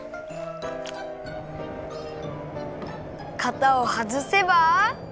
かたをはずせば。